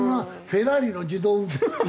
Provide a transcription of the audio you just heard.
フェラーリの自動運転。